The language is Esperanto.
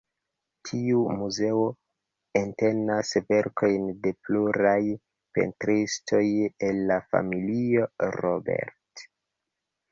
Tiu muzeo entenas verkojn de pluraj pentristoj el la familio Robert.